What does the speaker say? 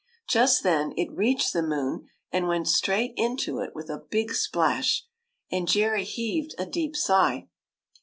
Just then, it reached the moon and went straight into it with a big splash ; and Jerry heaved a deep sigh.